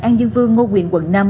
an dương vương ngô quyền quận năm